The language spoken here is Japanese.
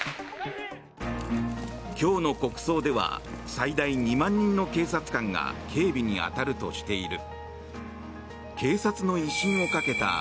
今日の国葬では最大２万人の警察官が警備に当たるとしている。